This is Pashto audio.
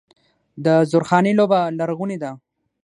د زورخانې لوبه لرغونې ده.